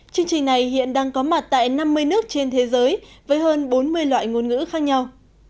chương trình này hiện đang có mặt tại năm mươi nước trên thế giới với hơn bốn mươi loại ngôn ngữ khác nhau